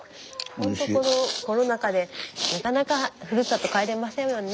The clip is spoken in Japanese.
ほんとこのコロナ禍でなかなかふるさと帰れませんもんね。